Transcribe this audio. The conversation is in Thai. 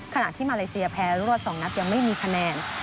ขณะที่มาเลเซียแพ้รวด๒นัดยังไม่มีคะแนน